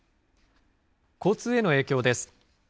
交通への影響です。